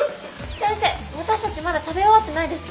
先生私たちまだ食べ終わってないです。